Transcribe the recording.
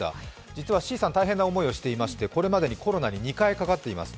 実はＣさん大変な思いしてましてこれまでにコロナに２回かかっています。